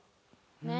ねえ。